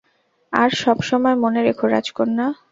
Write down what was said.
আর সব সময় মনে রেখো, রাজকন্যা।